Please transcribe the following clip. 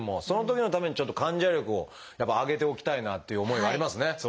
そのときのためにちょっと患者力をやっぱ上げておきたいなという思いがありますね。